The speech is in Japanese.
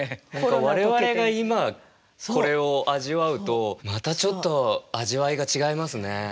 我々が今これを味わうとまたちょっと味わいが違いますね。